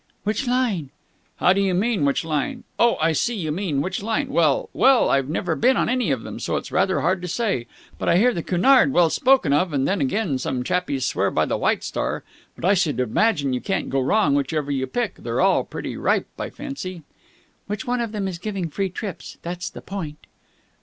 "Which line?" "How do you mean, which line? Oh, I see, you mean which line? Well ... well ... I've never been on any of them, so it's rather hard to say. But I hear the Cunard well spoken of, and then again some chappies swear by the White Star. But I should imagine you can't go far wrong, whichever you pick. They're all pretty ripe, I fancy." "Which of them is giving free trips? That's the point."